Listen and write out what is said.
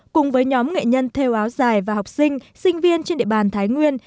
cùng với nhóm nghệ nhân theo áo dài và học sinh sinh viên trên địa bàn thái nguyên